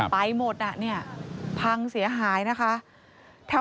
ไปหมดน่ะพังเสียหายนะคะ